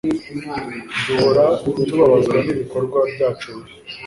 Duhora tubabazwa n'ibikorwa byacu bibi,